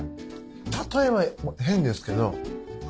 例えは変ですけど。